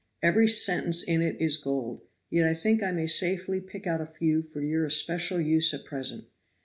Every sentence in it is gold; yet I think I may safely pick out a few for your especial use at present."